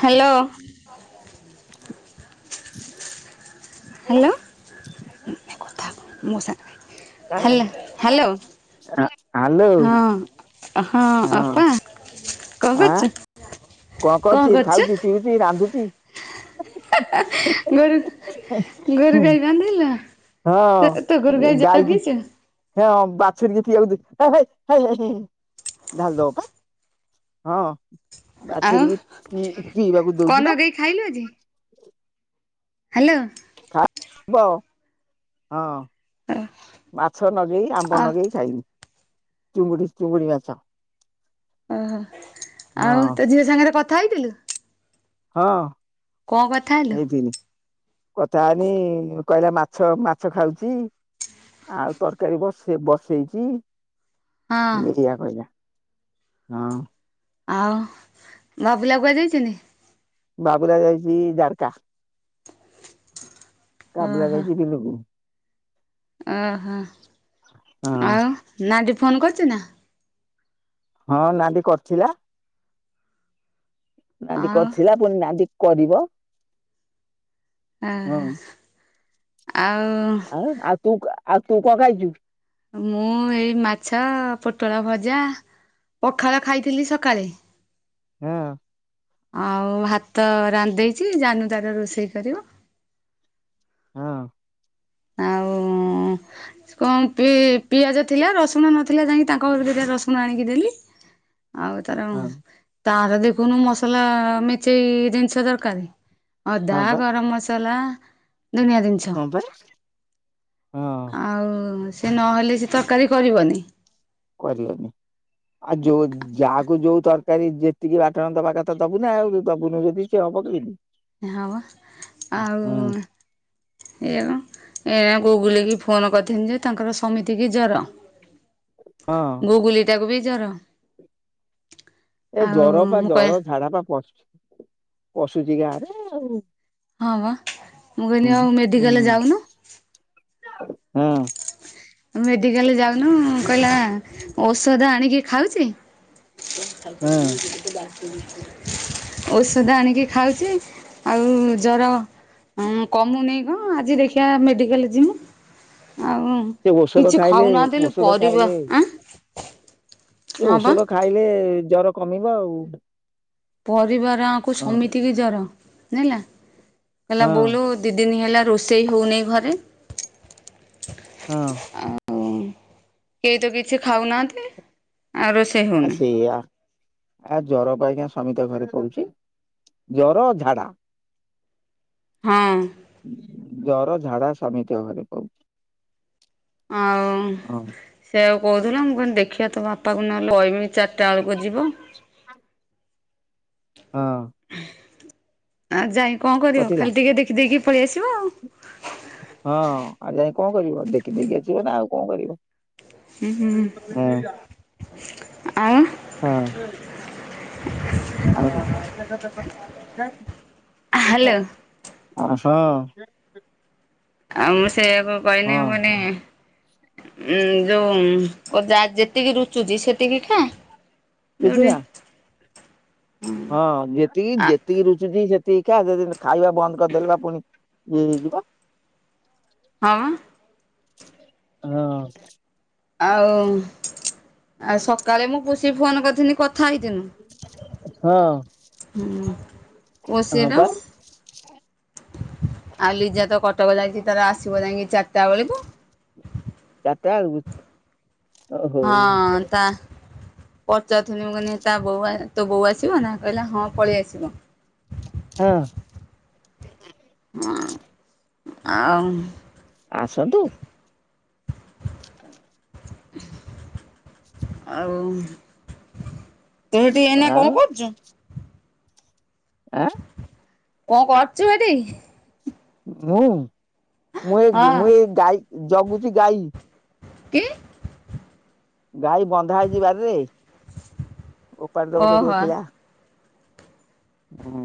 Hello. Hello ନେ କଥା କହ ମୋ ସାଙ୍ଗରେ। ହ୍ୟାଲୋ। ହଁ ହଁ ଅପା କଁ କରୁଚ? କଅ କରୁଚି ଖାଉଚି ପିଉଚି ରାନ୍ଧୁଚି। ଗୋରୁ ଗୋରୁ ଗାଈ ବାନ୍ଧିଲ ହଁ ତ ତୋ ଗୋରୁଗାଈ ଜଗିଚ। ହେ ବାଛୁରୀକି ପିଇବାକୁ ଦେବି ହେ ହେ ହେ ହେ ହେ ଢାଳି ଦବ ପା। ହଁ ଆଉ ବାଛୁରୀକି ପି ପିଇବାକୁ କଣ ଦଉଚି ବା। ନଗେଇ ଖାଇଲୁ ଆଜି? ହାଲୋ। ଖାଇବ ହଁ। ମାଛ ନଗେଇ ଆମ୍ବ ଆଉ ନଗେଇ ଖାଇବି ଚୁଙ୍ଗୁଡି ଚୁଙ୍ଗୁଡି ମାଛ। ଓହୋ ଆଉ ହଁ ତୋ ଝିଅ ସାଙ୍ଗରେ କଥା ହେଇଥିଲୁ? ହଁ କଣ କଥା ହେଲୁ ହେଇଥିନି। କଥାହେନି କହିଲା ମାଛ ମାଛ ଖାଉଚି। ଆଉ ତରକାରୀ ବସେ ବସେଇଚି। ହଁ ବିରିଆ କହିଲା ହଁ। ଆଉ ବାବୁଲା କୁୁଆଯାଇଚନ୍ତି? ବାବୁଲା ଯାଇଚି ଜାରକା କାବୁଲା ଯାଇଚି ବିଲୁକୁ। ଅଁ ହଁ ହଁ ଆଉ ନାଣ୍ଡି ଫୋନ କରୁଚି ନା? ହଁ ନାଣ୍ଡି କରଥିଲା। ନାଣ୍ଡି ଆଉ କରଥିଲା, ପୁଣି ନାଣ୍ଡି କରିବ। ହଁ ଅହ ଆଉ ଉଁ ଆଉ ତୁ ଆଉ ତୁ କଁ ଖାଇଚୁ? ମୁଁ ଏଇ ମାଛ ପୋଟଳ ଭଜା। ପଖାଳ ଖାଇଥିଲି ସକାଳେ। ହୁଁ। ଆଉ ହାତ ରାନ୍ଧଦେଇଚି ଜାନୁ ତାର ରୋଷେଇ କରିବ। ହଁ। କଁ ପି ପିଆଜ ଥିଲା ରସୁଣ ନଥିଲା ଯାଇକି ତାଙ୍କ ଘରୁ ଦିଇଟା ରସୁଣ ଆଣିକି ଦେଲି। ଆଉ ତାର ହଁ ତାର ଦେଖୁନୁ ମସଲା ମେଞ୍ଚେଇ ଜିନିଷ ଦରକାର। ଅଦା ହଁ ବା ଗରମ ମସଲା। ଦୁନିଆ ଜିନିଷ ହଁ ପାଇଁ ହଁ। ଆଉ ସେ ନହେଲେ ସେ ତକାରୀ କରିବନି। କରିବନି ଆ ଯୋଉ ଯାହାକୁ ଯୋଉ ତରକାରୀ ଯେତିକି ବାଟଣ ଦବା କଥା ଦବୁନା ଆଉ ଦବୁନୁ ଯଦି ସିଏ ହବ କେମିତି। ହଁ ବା ହୁଁ ଆଉ ଏ ଏ ଗୁଗୁଲି କି ଫୋନ୍ କରିଥିନି ଯେ ତାଙ୍କର ସମିତିକି ଜର। ହଁ। ଗୁଗୁଲି ଟାକୁ ବି ଜର। ଏ ଆଉ ଜର ପା ମୁଁ କହେ ଜର ଝାଡା ପା ପଶ ପଶୁଚି ଗାଁ ରେ। ହଁ ବା ମୁଁ କହିନି ଆଉ ମେଡିକାଲ ଯାଉନୁ। ହୁଁ। ମେଡ଼ିକାଲେ ଯାଉନୁ କହିଲା ଔଷଧ ଆଣିକି ଖାଉଚି। [inaudible] ହଁ ଔଷଧ ଆଣିକି ଖାଉଚି ଆଉ ଜର ହଁ କମୁନେଇ ପା ଆଜି ଦେଖିଆ ମେଡିକାଲ ଯିମୁ ଆଉ ସେ ଔଷଧ କିଛି ଖାଇଲେ ଖାଉନାହାନ୍ତି ଲେ ଔଷଧ ପରିବା ଆଁ। ଏ ହଁ ବା ଔଷଧ ଖାଇଲେ ଜର କମିବ ଆଉ। ପରିବାର ଆଙ୍କୁ ହଁ ସମିତିକି ଜର ଯାଇଁନଲା କହିଲା ହଁ ବୋଉଲୋ ଦିଇ ଦିନ ହେଲା ରୋଷେଇ ହୋଉନେଇଁ ଘରେ। ହଁ ଆଉ, କେହି ତ କିଛି ଖାଉନାହାନ୍ତି। ଆ ରୋଷ ଆ ସେଇଆ। ଆ ଜର ପାଇଁକା ସମୀତା ଘରେ ପଡୁଚି। ଜର ଝାଡା। ହଁ ଜର ଝାଡା ସମିତି ଘରେ ପାଉଛି। ଅଁଉ। ହଁ। ସେ ଆକୁ କହୁଥିଲା। ମୁଁ କହିଲି ଦେଖିଆ ତ ବାପାକୁ ନହେଲେ ଅହିମି ଚାରିଟା ଏଳକୁ ଯିବ। ହଁ ଆଉ ଯାଇ କଂ କରିଅ। କଟିଲା ଖାଲି ଟିକେ ଦେଖିଦେଇକି ପଳି ଆସିବ ଆଉ। ହଁ, ଆ ଯାଇ କଣ କରିବ ଦେଖି ଦେଇକି ଆସିବ ନା ଆଉ କଣ କରିବ। ହୁଁ ହୁଁ ହଁ, ଆଉ ହଁ ଆଉ। ହ୍ୟାଲୋ ଆସ ଆଉ ମୁଁ ସେଆକୁ କହିନି ମୁଁ ହଁ କହିନି ଉଁ ଯୋଉ ଯେତିକି ରୁଚୁଛି ସେତିକି ଖା। କିଛି ଯେଉଁଠି ନା ହଁ। ହଁ ଯେତିକି ଯେତିକି ରୁଚୁଛି ସେତିକ ଖା। ଯଦି ଖାଇବା ବନ୍ଦ କରିଦେଲେ ବା ପୁଣି ହୁଁ ଯିବା ହଁମ ହଁ ଆଉ ଆ ସକାଳେ ମୁଁ ପୋଷିକି ଫୋନ କରିଥିନି କଥା ହେଇଥିନୁ। ହଁ। ହୁଁ ହଁ ଓସିରୋ। ପା ଆଉ ଲିଜା ତ କଟକ ଯାଇଚି ତାର ଆସିବ ଯାଇକି ଚାରିଟା ବେଳକୁ। ଚାରିଟା ବେଳକୁ। ଓହୋ। ହଁ ତା ପଚାରୁଥଥିଲି ମୁଁ କହିଲି ତା ତୋ ବୋଉ ତୋ ବୋଉ ଆସିବ ନା କହିଲା ହଁ ପଳେଇ ଆସିବ। ହଁ ହିଁ ଆଉ ଆସନ୍ତୁ। ଆଉ ତୁ ଏଇଠି ଏଇନା କଁ ଆଉ କରୁଚୁ? ଏଁ। କଁ କରୁଚୁ ଏଠି? ମୁଁ, ମୁଁ ଏଇ ହଁ ମୁଁ ଏଇ ଗାଈ ଜଗୁଚି ଗାଈ। କି? ଗାଈ ବନ୍ଧା ହେଇଚି ବାରିରେ। ଉପାଡି ଦବ କରିବ ଓହୋ କିଳା। ହୁଁ।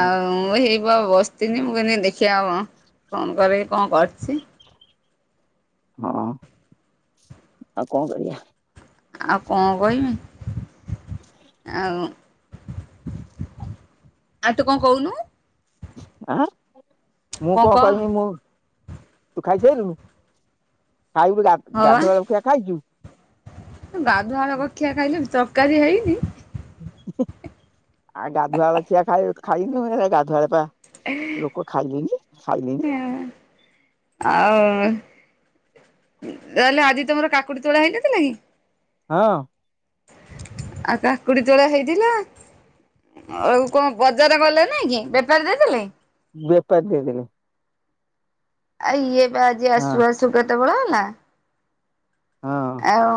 ଆଉ ମୁଁ ହେଇପା ବସିଥିନି। ମୁଁ କହିନୀ ଦେଖିବା ଫୋନ୍ କରିକି କଣ କରିଚି। ହଁ ଆଉ କଂ କରିଆ। ଆଉ କଁ କଇମି ଆଉ ଆ ତୁ କଂ କହୁନୁ? ଆଁ ମୁଁ କଣ କଂ କହ କହିବି ମୁଁ- - ତୁ ଖାଇ ସାଇଲୁ। ଖାଇବୁ ହଁ ବା ଗାଧୁଆ ବେଳ ଖିଆ ଖାଇଚୁ। ଗାଧୁଆ ବେଳ ଖିଆ ଖାଇଦେବି। ତରକାରୀ ହେଇନି। ଆ ଗାଧୁଆ ବେଳ ଖିଆ ଖାଇ ଖାଇନୁ ଗାଧୁଆ ବେଳେ ପା ଲୋକ ଖାଇଲେଣିି ଖାଇଲେଣିି। ଆଉ ତାହେଲେ ଆଜି ତମର କାକୁଡି ତୋଳା ହେଇନଥିଲା କି? ହଁ। ଆଉ କାକୁଡି ତୋଳା ହେଇଥିଲା? ଆଉ କଣ ବଜାର ଗଲେ ନେଇଁକି ବେପାରୀ ଦେଇଦେ ଲେ? ବେପାରି ଦେଇଦେଲି। ଆ ଇଏ ପା ଆଜି ହଁ ଆସୁ ଆସୁ କେତେ ବେଳ ହେଲା। ହଁ ଆଉ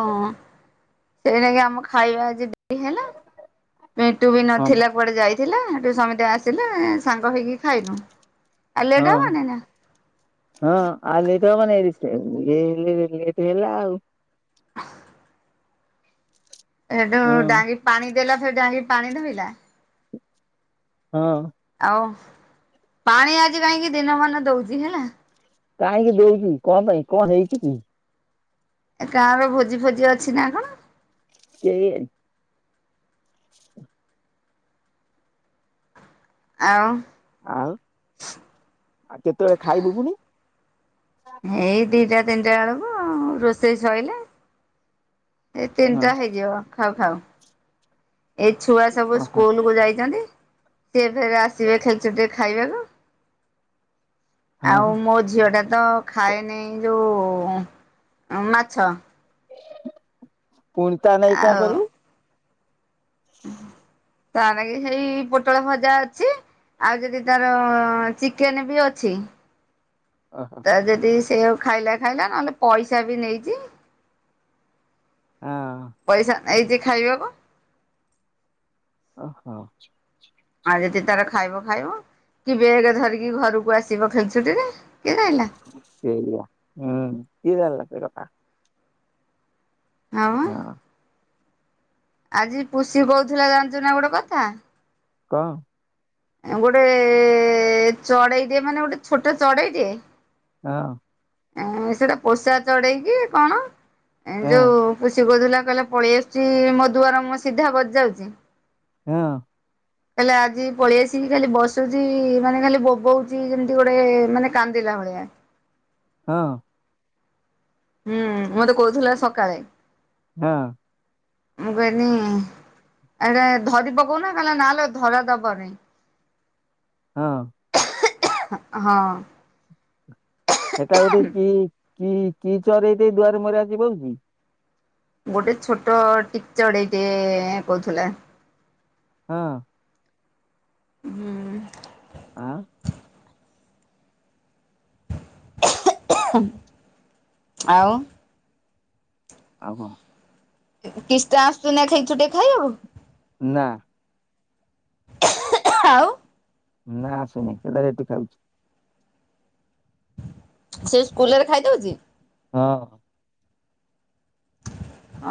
ସେଇନାକି ଆମ ଖାଇବା ଆଜି ଡେରି ହେଲା। ପଣ୍ଟୁ ବି ହଁ ନଥିଲେ କୁଆଡେ ଯାଇଥିଲା। ସେଠୁ ସମସ୍ତେ ଆସିଲେ ସାଙ୍ଗ ହେଇକି ଖାଇନୁ। ଆଉ ଲେଟ୍ ହଁ। ହବନି ନା ହଁ ଆଉ ଲେଟ୍ ହେବନି ସେ ଏଇ ହେଲେ ଲେଟ ହେଲା ଆଉ। ସେଠୁ ହଁ ଡାଙ୍ଗି ପାଣି ଦେଲା ଫେରେ ଡାଙ୍ଗି ପାଣି ଥୋଇଲା। ହଁ। ଆଉ ପାଣି ଆଜି କାହିଁକି ଦିନ ମାନ ଦୋଉଛି ହେଲା। କାହିଁକି ଦୋଉଛି କଣ ପାଇଁ କଣ ହେଇଛି କି? ଏ କା ର ଭୋଜି ଫୋଜି ଅଛି ନା କଣ? କେଇଜାଣି। [inaudible] ଆଉ। ଆଉ ଆଉ କେତେ ବେଳେ ଖାଇବୁ ପୁଣି? ଏଇ ଦିଟା ତିନିଟା ଏଳକୁ ଆଉ ରୋଷେଇ ସଇଲା। ଏ ହଁ ତିନିଟା ହେଇଯିବ ଖାଉ ଖାଉ। ଏଇ ଛୁଆ ସବୁ ଓହୋ ସ୍କୁଲ କୁ ଯାଇଛନ୍ତି। ସିଏ ଫେରେ ଆସିବେ ଖେଳ ଛୁଟିରେ ଖାଇବାକୁ। ଆଉ ହଁ ମୋ ଝିଅ ଟା ତ ଖାଏନି ଏ ଯୋଉ ମାଛ। ପୁଣି ତା ନାଗି କଣ ଆଉ କରିବୁ? ତା ନାଗି ହେଇ ପୋଟଳ ଭଜା ଅଛି। ଆଉ ଯଦି ତାର ଚିକେନ୍ ବି ଅଛି। ଓ ହୋ। ଆଉ ଯଦି ସେଇଆକୁ ଖାଇଲା ଖାଇଲା। ନହେଲେ ପଇସା ବି ନେଇଛି। ଓ ହୋ ପଇସା ନେଇଛି ଖାଇବାକୁ। ଓ ହୋ। ଆଉ ଯଦି ତାର ଖାଇବ ଖାଇବ। କି ବେଗେ ଧରିକି ଘରକୁ ଆସିବ ଖେଳଛୁଟିରେ କିଏ ଧାଇଁଲା। ସେଇଆ ହୁଁ କିଏ ଜାଣିଲା ସେ କଥା। ଆଉ। ହଁ ଆଜି ପୁଷି କହୁଥିଲା ଜାଣିଛୁ ନା ଗୋଟେ କଥା। କଣ? ଗୋଟେ ଚଢେଇ ଟେ ମାନେ ଗୋଟେ ଛୋଟ ଚଢେଇ ଟେ ହଁ ଏଁ ସେଟା ପୋଷା ଚଢେଇକି କଣ? ଏ ହଁ ଯୋଉ ପୁଷି କୋଉଥିଲା କହିଲା ପଳେଇ ଆସି ଚି ମୋ ଦୁଆର ମୁଁହ ସିଧା ବଜାଉଛି। ହୁଁ। ହେଲେ ଆଜି ପଳେଇଆସିକି ଖାଲି ବସୁଛି ମାନେ ଖାଲି ବୋବଉଛି ଯେମିତି ଗୋଟେ ମାନେ କାନ୍ଦିଲା ଭଳିଆ। ହଁ। ହୁଁ ମତେ କହୁଥିଲା ସକାଳେ ହଁ। ମୁଁ କହିଲି ଏ ରା ଧରି ପକଉନ ନହେଲେ ଧରା ଦବନି। ହଁ। [unintelligible] ହଁ। ସେଟା ଗୋଟେ କି କି କି [unintelligible] ଦୁଆରେ ମରି ଆସି ବଇଚି। ଗୋଟେ ଛୋଟ ଟିକି ଚଡେଇଟେ କହୁଥିଲା। ହଁ। ହୁଁ। ଆଁ ଆଉ ଆଉ କଣ [unintelligible] ଖେଳ ଛୁଟି କହିବାକୁ? ନା ଆଉ ନା ଆସୁନି କେତେ [unintelligible] ଖାଉଛି। ସେ ସ୍କୁଲ ରେ ଖାଇଦଉଛି। ହଁ।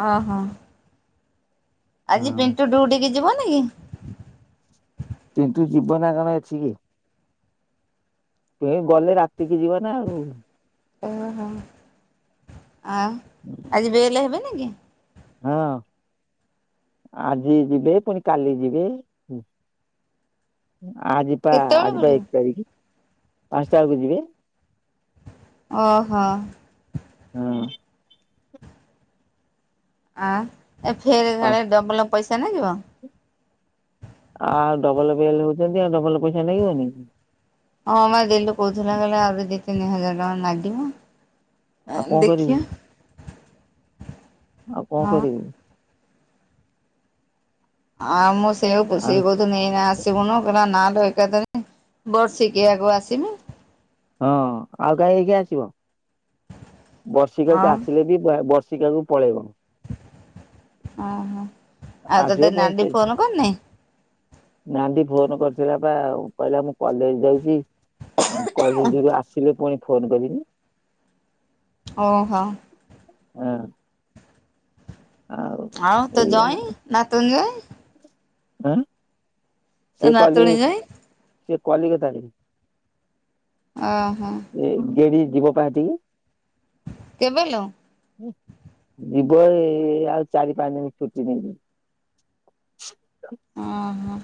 ଓହୋ। ଆଜି ହଁ ପିଣ୍ଟୁ ଡିଉଟି କି ଯିବନି କି? ପିଣ୍ଟୁ ଜୀବନା କଣ ଏଠିକି। ଏଇ ଗଲେ ରାତିକି ଯିବା ନା ଆଉ। ଓହୋ ଆ ଆଜିିବେଲେ ହେବେ ନେକି? ହଁ ଆଜି ଯିବେ ପୁଣି କାଲି ଯିବେ। ଆଜିିବା କେତେବେଳେ ଆଜି ପା ବୁଲିବ? ଏକ ତାରିଖ ପାଞ୍ଚଟା ବେଳକୁ ଯିବେ। ଓହୋ। ହୁଁ। ଆ ଏ ଫେର କାଳେ ପାଞ୍ଚ ଡବଲ ପଇସା ନେଇଯିବ। ଆଉ ଡବଲ ପଇସା ହଉଛନ୍ତି ଆଉ ଡବଲ ପଇସା ଲାଗିବନି। ହଁ ମା ଦିଲୁ କହୁଥିଲା କହିଲା ଆହୁରି ଦି ତିନି ହଜାର ଟଙ୍କା ଲାଗିବ। ଆଉ କଣ [unintelligible] କରିବୁ ଦେଖିବା। ଆଉ କଣ ହଁ। କରିବି। ହଁ ମୁଁ ସେୟେକୁ ଆଉ [unintelligible] ତୁ ଏଇନା ଆସିବୁନୁ କହିଲା ନା ଲୋ ଏକାଥରେ ବସିକିୟାକୁ ଆସିବି। ହଁ ଆଉ କାହିଁ ଏଇକି ଆସିବ ବର୍ଷିକାକୁ ଆଉ ଆସିଲେ ବି ବର୍ଷିକାକୁ ପଳେଇବ। ଓ ହୋ ଆଉ ଆସିବ ତତେ ନାଡି ଫୋନ କରନି? ନାନ୍ଦି ଫୋନ କରିଥିଲା ବା କହିଲା ମୁଁ କଲେଜ ଯାଇଛି। କଲେଜେ ରୁ ଆସିକି ଫୁଣି ଫୋନ୍ କରିବି। ଓହୋ। ହଁ। ଆଉ ତୋ ଏଇଆ ଜ୍ୱାଇଁ ନାତୁଣୀ ଜ୍ୱାଇଁ? ଆଁ ତୋ ସସେ କଲି ନାତୁଣୀ ଜଇଁ ସେ କାଲିକତାରେ। ଓହୋ। ଏବେବି ଯିବ କାଁକତିକି? କେବେଲ? ଯିବ ଏ ଆଉ ଚାରି ପାଞ୍ଚ ଦିନ ଛୁଟି ନେଇକି। ଓହୋ।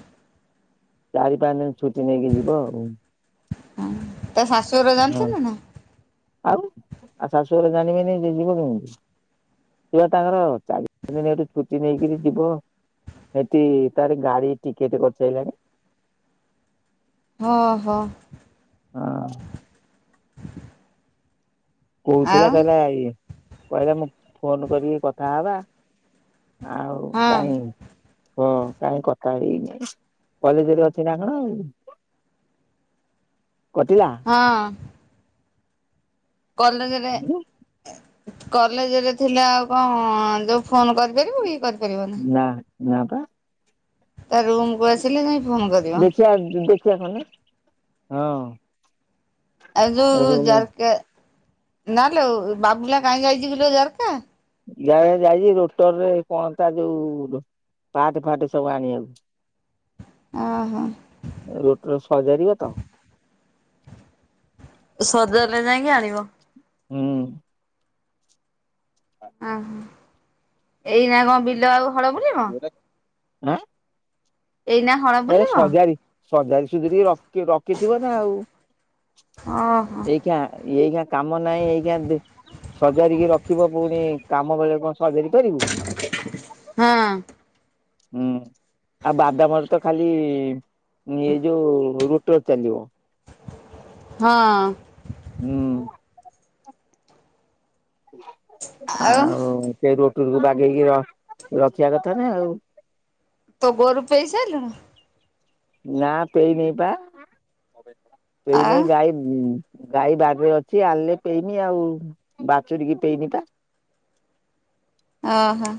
ଚାରି ପାଞ୍ଚ ଦିନ ଛୁଟି ନେଇକି ଯିବ ଆଉ। ହଁ ତା ଶାଶୁଘରେ ହଁ। ଜାଣିଚନ୍ତିନା? ଆଉ ଆଉ ଶାଶୁଘରେ ଜାଣିବେନି ଯିଏ ଯିବ କେମିତି। ସିଏ ତାଙ୍କର ଚାରି ପାଞ୍ଚ ଦିନି ଏଠୁ ଛୁଟି ନେଇକରି ଯିବ। ସେଠି ତାର ଗାଡ଼ି ଟିକେଟେ କରିସାଇଲାଣି। ହଁ ହୋ। ହଁ। କହୁଥିଲା ଆଉ କହିଲା କହିଲା ମୁଁ ଫୋନ୍ କରିକି କଥା ହବା ଆଉ ହଁ କାଇଁ ହଁ କାହିଁ କଥା ହେଇନାଇଁ କଲେଜରେ ଅଛିନା କଣ ଆଉ। କଟିଲା? ହଁ। କଲେଜେରେ କଲେଜରେ ଥିଲା ଆଉ କଣ ଯୋଉ ଫୋନ୍ କରିପାରିବୁକି କରିପାରିବନି। ନା ନାପା। ତା ରୁମକୁୁ ଆସିଲ ଯାଇଁ ଫୋନ୍ କରି ଦେଖିଆ ଦେଖିଆ କଁ ହଁ। ଆଁ ଯୋଉ ରୁମ ଜାର୍କା ନାଲୋ ବାବୁଲା କାହିଁ ଯାଇଚିକିଲୋ ଜାର୍କା? ଯାଇ ଯାଇଚି ରୋଟରରେ କଣତା ଯୋଉ ପାଟ୍ ଫାଟ୍ ସବୁ ଆଣିବାକୁ। [inaudible] ଓଁ ହଁ। ରୋଟର ସଜାରିବତ ସଜାରିଲେ ଯାଇକି ଆଣିବ। ହୁଁ। ଓହୋ ଏଇନା କଣ ବିଲ ଆଉ ହଳ ବୁଲିବ? ଆଁ ଏଇନା ହଳ ଏ ବୁଲିବ ସଜାଡ଼ି ସୁଜାଡ଼ି ରଖି ରଖିଥିବନା ଆଉ। ଓହୋ। ଏଇକା ଏଇଖିଣା କାମ ନାହିଁ ଏଇଖିଣା ସଜାରିକି ରଖିବ ପୁଣି କାମ ବେଳେ କଣ ସଜାରି ପାରିବୁ। ହଁ। ହୁଁ। ଆଉ ବାଦାମରତ ଖାଲି ଏଇ ଯୋଉ ରୁଟୋର ଚାଲିବ। ହଁ। ହୁଁ। ଆଉ ସେରୋଟକୁ ବାଗେଇକି ରଖିବା କଥାନା ଆଉ। ତ ଗୋରୁ ପେଇସାଇଲୁଣ? ନା ପେଇନାହିଁପା ଆଉ ପେଇନେହିଁ ଗାଈ ଗାଈ ବାରିରେ ଅଛି ଆଣିଲେ ପେଇମି ଆଉ ବାଚୁରୀକି ପେଇନିପା। ଓହୋ।